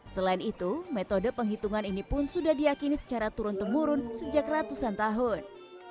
selain itu metode penghitungan ini pun sudah diakini secara turun temurun sejak ratusan tahun